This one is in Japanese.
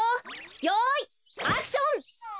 よいアクション！